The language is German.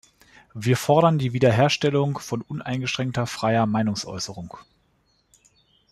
Wir fordern die Wiederherstellung von uneingeschränkter freier Meinungsäußerung.